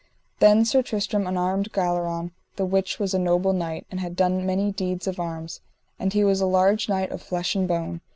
Then Sir Tristram unarmed Galleron, the which was a noble knight, and had done many deeds of arms, and he was a large knight of flesh and bone.